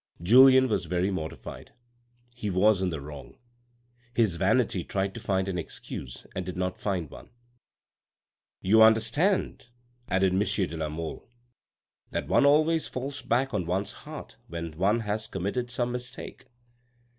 Julien was very mortified; he was in the wrong. His vanity tried to find an excuse and did not find one. " You understand," added monsieur de la Mole, " that one always falls back on one's heart when one has committed some mistake."